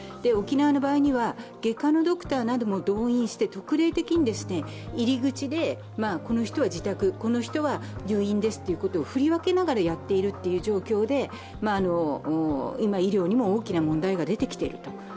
沖縄の場合には外科のドクターなども動員して特例的に入り口でこの人は自宅、この人は入院ですということを振り分けながらやっているという状況で、今医療にも大きな問題が出てきている。